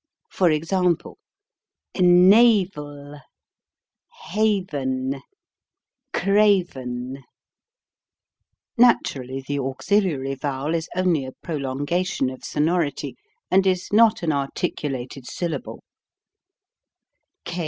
For example : Naturally the auxiliary vowel is only a prolonga tion of sonority and is not an articulated syl lable.